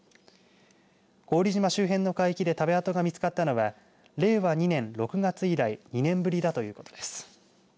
古宇利島周辺の海域で食べ跡が見つかったのは令和２年度６月以来２年ぶりだということです。